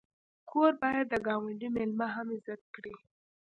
کوربه باید د ګاونډي میلمه هم عزت کړي.